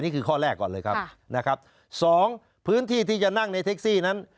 ข้อแรกก่อนเลยครับนะครับสองพื้นที่ที่จะนั่งในเท็กซี่นั้น